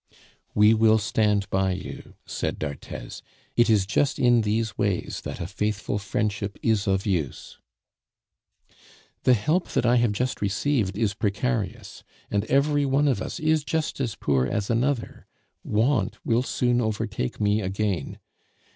"We will stand by you," said d'Arthez; "it is just in these ways that a faithful friendship is of use." "The help that I have just received is precarious, and every one of us is just as poor as another; want will soon overtake me again.